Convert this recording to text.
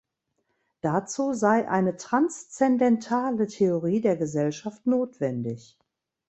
Dazu sei eine „transzendentale Theorie der Gesellschaft“ notwendig.